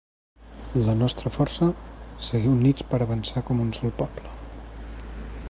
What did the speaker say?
La nostra força, seguir units per avançar com un sol poble.